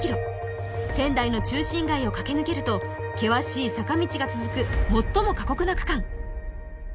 仙台の中心街を駆け抜けると険しい坂道が続く最も過酷な区間。